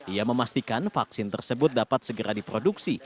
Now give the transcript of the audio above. ia memastikan vaksin tersebut dapat segera diproduksi